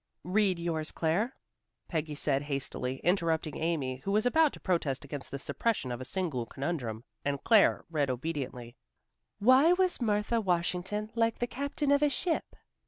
"Read yours, Claire," Peggy said hastily, interrupting Amy who was about to protest against the suppression of a single conundrum, and Claire read obediently, "Why was Martha Washington like the captain of a ship?"